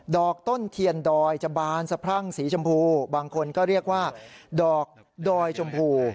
อกต้นเทียนดอยจะบานสะพรั่งสีชมพูบางคนก็เรียกว่าดอกดอยชมพู